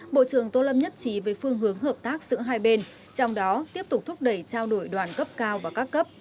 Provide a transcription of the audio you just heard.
bộ trưởng tô lâm nhất trí về phương hướng hợp tác giữa hai bên trong đó tiếp tục thúc đẩy trao đổi đoàn cấp cao và các cấp